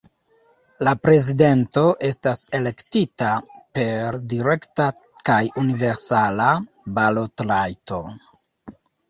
La prezidento estas elektita per direkta kaj universala balotrajto.